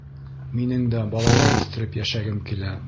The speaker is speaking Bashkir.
Минең дә балалар үҫтереп йәшәгем килә.